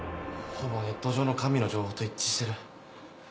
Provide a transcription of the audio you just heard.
ほぼネット上の神の情報と一致してる。